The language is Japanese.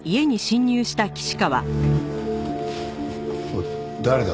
おい誰だ？